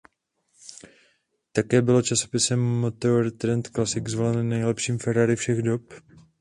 Také bylo časopisem Motor Trend Classic zvoleno nejlepším Ferrari všech dob.